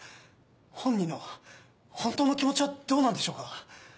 本人の本当の気持ちはどうなんでしょうか？